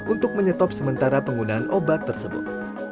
untuk menyetop sementara penggunaan obat tersebut